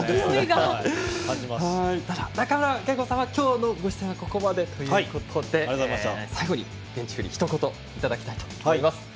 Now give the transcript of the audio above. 中村憲剛さんは今日のご出演はここまでということで最後にひと言いただきたいと思います。